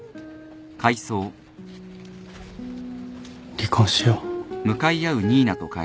離婚しよう